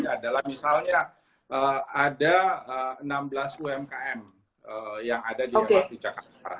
adalah misalnya ada enam belas umkm yang ada di mrt jakarta